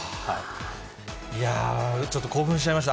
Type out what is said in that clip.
ちょっと興奮しちゃいまして。